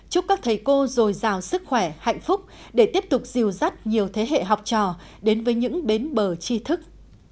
chúc các thầy cô dồi dào sức khỏe hạnh phúc để tiếp tục dìu dắt nhiều thế hệ học trò đến với những bến bờ chi thức